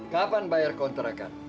kapan bayar kontrakan